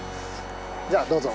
じゃあどうぞ。